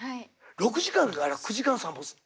６時間から９時間散歩するの？